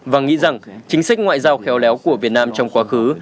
và nghĩ rằng chính sách ngoại giao khéo léo của việt nam trong quá khứ